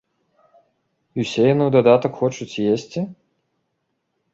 І ўсе яны ў дадатак хочуць есці?